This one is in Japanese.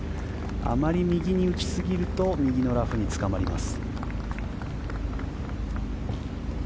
あまり右に打ちすぎると右のラフにつかまります。